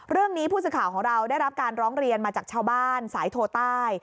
เรื่องนี้ผู้สื่อข่าวของเราได้รับการร้องเรียนมาจากชาวบ้านสายโทใต้